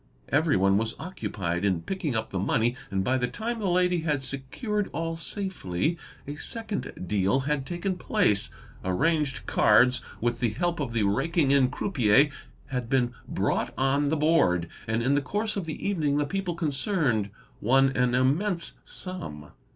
Everyone was occupied in picking up the money, and by the time the lady had secured all safely, a second deal had taken place; arranged cards, with the help of the raking in croupier, had been brought on the board, and in the course of the evening the people concerned won an immense sum.